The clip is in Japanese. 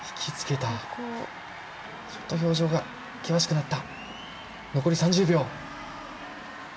ちょっと表情が険しくなった。